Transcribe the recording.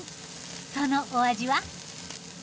そのお味は？